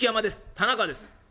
田中です」。